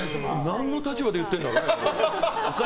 何の立場で言ってるんだろうね。